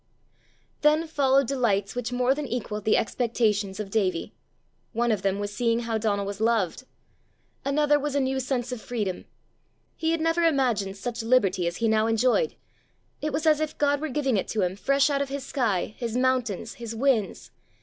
Then followed delights which more than equalled the expectations of Davie. One of them was seeing how Donal was loved. Another was a new sense of freedom: he had never imagined such liberty as he now enjoyed. It was as if God were giving it to him, fresh out of his sky, his mountains, his winds.